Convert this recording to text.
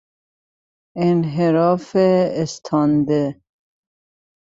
انحراف استانده